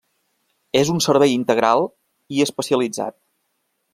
És un servei integral i especialitzat.